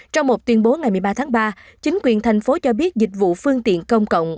trong một tuyên bố ngày một mươi ba tháng ba chính quyền thành phố cho biết dịch vụ phương tiện công cộng